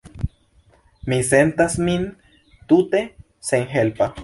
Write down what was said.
Mi sentas min tute senhelpa.